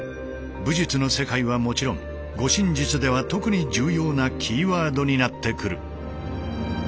武術の世界はもちろん護身術では特に重要なキーワードになってくる。